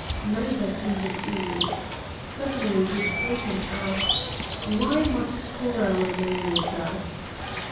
Neither seemed at ease. Suddenly he spoke and asked, 'Why must Cora remain with us?